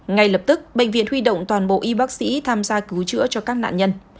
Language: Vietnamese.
ngay lập tức bệnh viện huy động toàn bộ y bác sĩ tham gia cứu chữa cho các nạn nhân